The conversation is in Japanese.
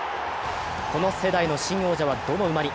この世代の新王者はどの馬に？